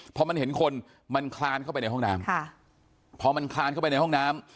พอมันเห็นคนมันคลานเข้าไปในห้องน้ำพอมันคลานเข้าไปในห้องน้ำ